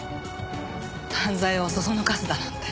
犯罪をそそのかすだなんて。